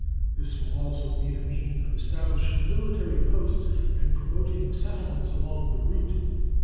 This will also be the means of establishing military posts and promoting settlements along the route.